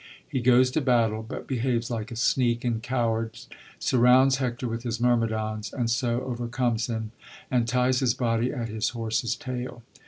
He goes to battle, but behaves like a sneak and coward, surrounds Hector with his myrmidons, and so overcomes him, and ties his body at his horse*s tail.